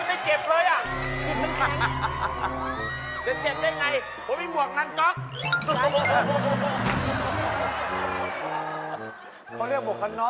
จะเจ็บได้ไงเพราะมีหมวกนันจ๊อก